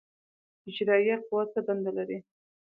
اجرائیه قوه څه دنده لري؟